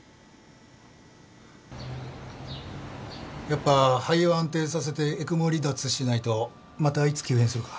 やっぱ肺を安定させてＥＣＭＯ離脱しないとまたいつ急変するか。